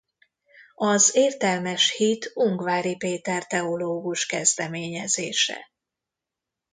Az Értelmes Hit Ungvári Péter teológus kezdeményezése.